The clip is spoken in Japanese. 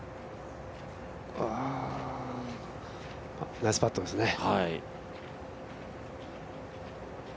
ナイスパットですね。